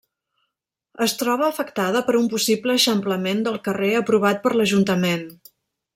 Es troba afectada per un possible eixamplament del carrer aprovat per l'ajuntament.